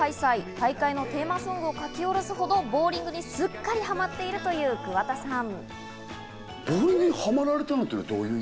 大会のテーマソングを書き下ろすほど、ボウリングにすっかりハマっているという桑田さん。